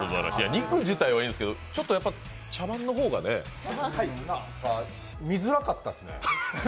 肉自体はいいんですけど、ちょっと茶番の方がね見づらかったですね。